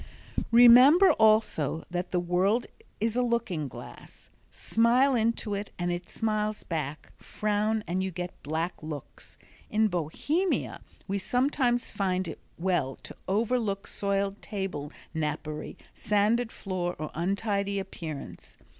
Remember, also, that the world is a looking glass. Smile into it and it smiles back; frown and you get black looks. In Bohemia we sometimes find it well to overlook soiled table napery, sanded floor or untidy appearance.